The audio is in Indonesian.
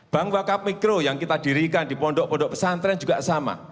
bank wakaf mikro yang kita dirikan di pondok pondok pesantren juga sama